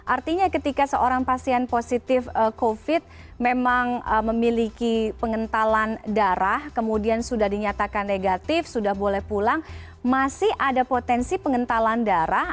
artinya ketika seorang pasien positif covid memang memiliki pengentalan darah kemudian sudah dinyatakan negatif sudah boleh pulang masih ada potensi pengentalan darah